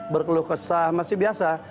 berkeluh kesah masih biasa